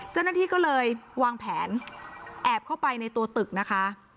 เจ้าหน้าที่ก็เลยวางแผนแอบเข้าไปในตัวตึกนะคะ